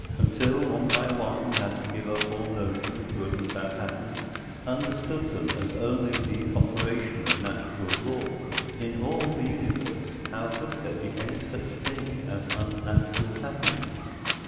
Until one by one we had to give up all notion of good and bad happenings? Understood them as only the operation of natural law? In all the universe, how could there be any such thing as unnatural happenings?